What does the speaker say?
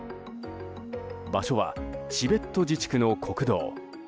場所はチベット自治区の国道。